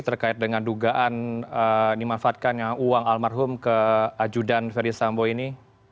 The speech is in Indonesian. terkait dengan dugaan dimanfaatkannya uang almarhum ke ajudan ferdis sambo ini